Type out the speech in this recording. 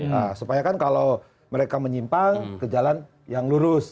nah supaya kan kalau mereka menyimpang ke jalan yang lurus